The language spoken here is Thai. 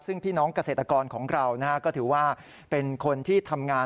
ซึ่งพี่น้องเกษตรกรของเราก็ถือว่าเป็นคนที่ทำงาน